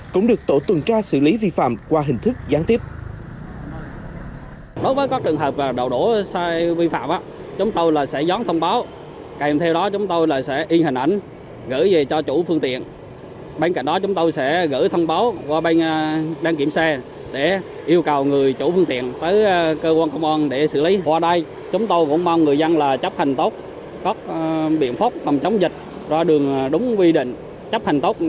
cũng được tổ tuần tra xử lý vi phạm qua hình thức gián tiếp